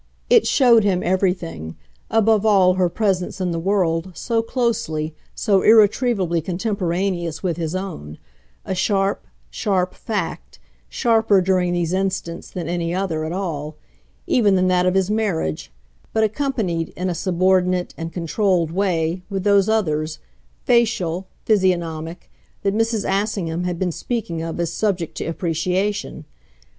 It showed him everything above all her presence in the world, so closely, so irretrievably contemporaneous with his own: a sharp, sharp fact, sharper during these instants than any other at all, even than that of his marriage, but accompanied, in a subordinate and controlled way, with those others, facial, physiognomic, that Mrs. Assingham had been speaking of as subject to appreciation.